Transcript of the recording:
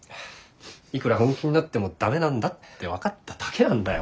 いくら本気になっても駄目なんだって分かっただけなんだよ。